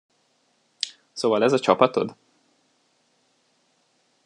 Szóval ez a csapatod?